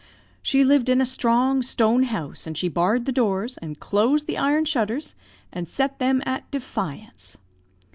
She lived in a strong stone house, and she barred the doors, and closed the iron shutters, and set them at defiance.